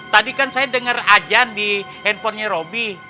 tadi kan saya dengar ajan di handphonenya roby